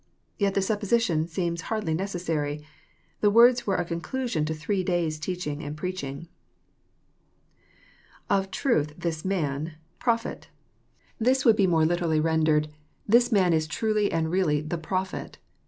" Yet the supposition seems hardly necessary. The words were a conclusion to three days* teach ing and preaching. iCf a truth this nian...iVojbet.] This would be more literally JOHN, CHAP. vn. 59 rendered, '* This man is truly and really the Prophet.